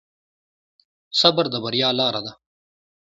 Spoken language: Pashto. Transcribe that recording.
صبر د بریا لاره ده.